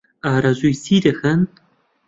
ئارەزووی چی دەکەن؟